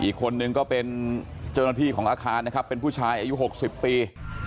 อีกคนนึงก็เป็นเจ้าหน้าที่ของอาคารนะครับเป็นผู้ชายอายุ๖๐ปี